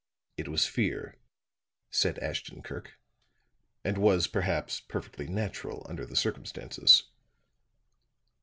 "It was fear," said Ashton Kirk, "and was, perhaps, perfectly natural under the circumstances."